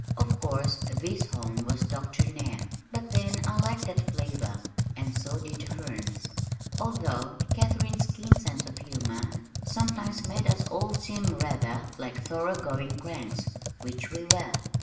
Of course this home was doctrinaire, but then I liked that flavor, and so did the Hernes, although Katharine's keen sense of humor sometimes made us all seem rather like thorough going cranks which we were.